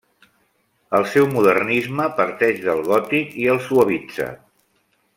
El seu modernisme parteix del gòtic i el suavitza.